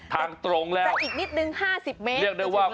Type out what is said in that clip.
ทางตรงแล้วอีกนิดหนึ่ง๕๐เม็ด